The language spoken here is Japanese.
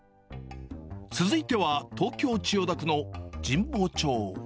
続いては東京・千代田区の神保町。